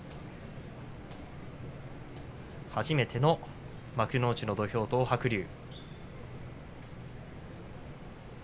初めての幕内の土俵、東白龍。